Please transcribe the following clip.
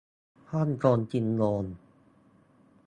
ฮ่องเต้ซินโดรม